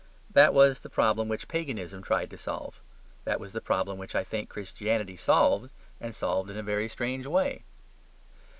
That was the problem which Paganism tried to solve: that was the problem which I think Christianity solved and solved in a very strange way.